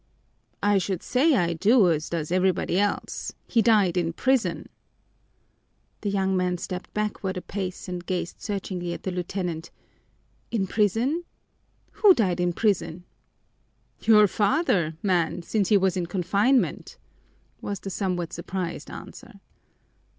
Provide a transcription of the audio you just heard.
"I should say I do, as does everybody else. He died in prison!" The young man stepped backward a pace and gazed searchingly at the lieutenant. "In prison? Who died in prison?" "Your father, man, since he was in confinement," was the somewhat surprised answer.